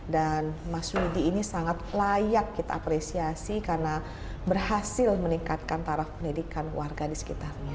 dan mas widy ini sangat layak kita apresiasi karena berhasil meningkatkan taruh pendidikan warga di sekitarnya